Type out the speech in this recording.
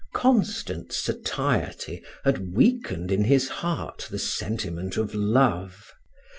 Constant satiety had weakened in his heart the sentiment of love.